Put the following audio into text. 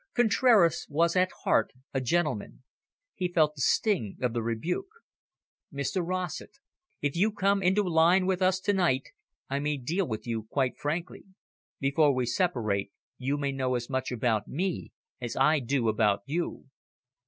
Contraras was, at heart, a gentleman. He felt the sting of the rebuke. "Mr Rossett, if you come into line with us to night, I may deal with you quite frankly. Before we separate, you may know as much about me as I do about you."